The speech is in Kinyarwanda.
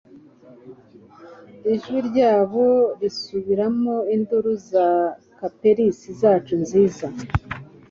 ijwi ryabo risubiramo induru za capers zacu nziza